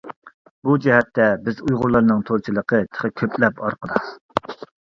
بۇ جەھەتتە بىز ئۇيغۇرلارنىڭ تورچىلىقى تېخى كۆپلەپ ئارقىدا.